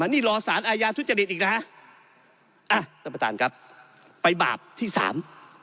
นี่รอสารอาญาทุจริตอีกนะฮะอ่ะท่านประธานครับไปบาปที่สาม